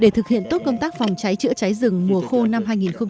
để thực hiện tốt công tác phòng cháy chữa cháy rừng mùa khô năm hai nghìn một mươi chín